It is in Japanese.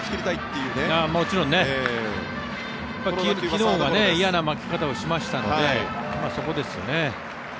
昨日が嫌な負け方をしましたのでそこですよね。